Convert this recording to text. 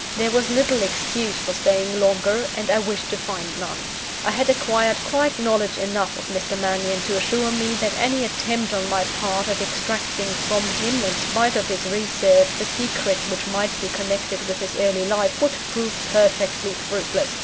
There was little excuse for staying longer; and I wished to find none. I had acquired quite knowledge enough of Mr. Mannion to assure me, that any attempt on my part at extracting from him, in spite of his reserve, the secrets which might be connected with his early life, would prove perfectly fruitless.